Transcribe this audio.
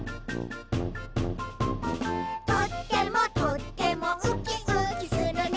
「とってもとってもウキウキするね」